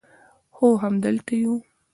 هو همدلته یو